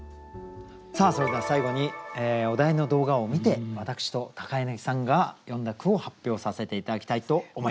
それでは最後にお題の動画を観て私と柳さんが詠んだ句を発表させて頂きたいと思います。